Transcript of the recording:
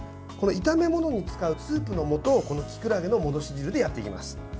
炒め物に使うスープのもとをきくらげの戻し汁でやっていきます。